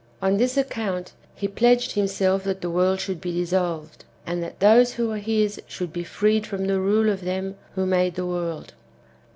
On this account, he pledged himself that the world should be dissolved, and that those who are his should be freed from the rule of them who made the world.